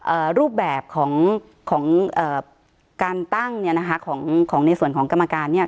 รูปแบบของของเอ่อการตั้งเนี้ยนะคะของของในส่วนของกรรมการเนี้ย